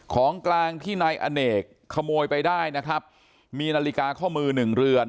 ของกลางที่นายอเนกขโมยไปได้นะครับมีนาฬิกาข้อมือหนึ่งเรือน